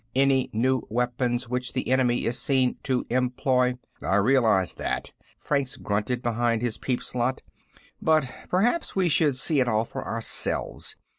Any new weapons which the enemy is seen to employ " "I realize that," Franks grunted behind his peep slot. "But perhaps we should see it all for ourselves.